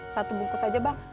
satu bungkus aja bang